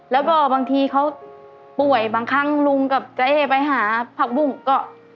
แล้วก็บางทีเขาป่วยบางครั้งลุงกับเจ๊ไปหาผักบุ้งก็